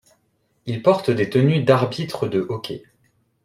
Ils portent des tenues d'arbitres de hockey.